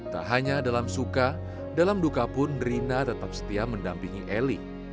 tak hanya dalam suka dalam duka pun rina tetap setia mendampingi eli